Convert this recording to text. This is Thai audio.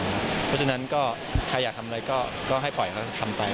เพราะฉะนั้นก็ใครอยากทำอะไรก็ให้ปล่อยเขาทำไป